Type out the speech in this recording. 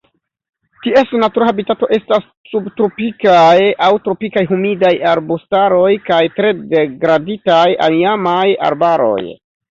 Ties natura habitato estas subtropikaj aŭ tropikaj humidaj arbustaroj kaj tre degraditaj iamaj arbaroj.